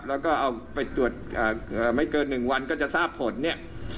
แล้วก็เอาไปตรวจไม่เกิน๑วันก็จะทราบผลเนี่ย